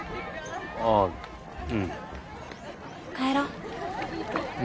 あぁうん。帰ろう。